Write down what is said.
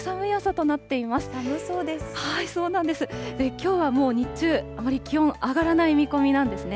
きょうはもう日中、あまり気温上がらない見込みなんですね。